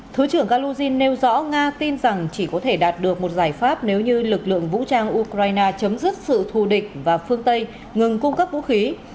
thứ trưởng galugin nêu rõ nga tin rằng chỉ có thể đạt được một giải pháp nếu như lực lượng vũ trang ukraine chấm dứt sự thù địch và phương tây ngừng cung cấp vũ khí